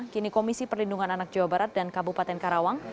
kini komisi perlindungan anak jawa barat dan kabupaten karawang